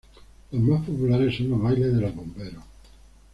Los más populares son los bailes de los bomberos.